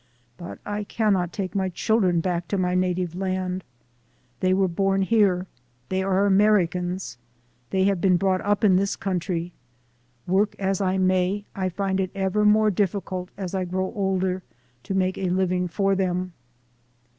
But I cannot take my children back to my native land. They were born here, they are Americans, they have been brought up in this country. Work as I may, I find it ever more difficult as I grow older to make a living for them."